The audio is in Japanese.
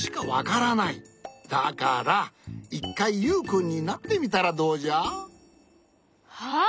だから１かいユウくんになってみたらどうじゃ？は？